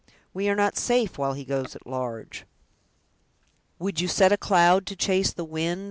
We are not safe while he goes at large." "Would you set a cloud to chase the wind?"